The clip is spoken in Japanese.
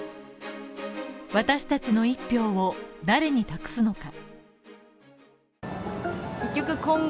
私たちの１票を誰に託すのか